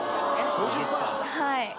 はい。